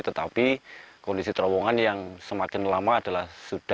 tetapi kondisi terowongan yang semakin lama adalah sudah